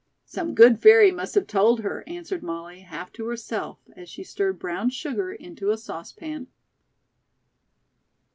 "Some good fairy must have told her," answered Molly, half to herself, as she stirred brown sugar into a saucepan.